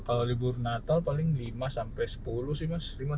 kalau libur natal paling lima sampai sepuluh sih mas